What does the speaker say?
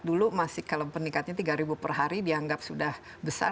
dulu masih kalau peningkatnya tiga ribu per hari dianggap sudah besar